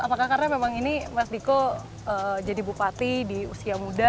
apakah karena memang ini mas diko jadi bupati di usia muda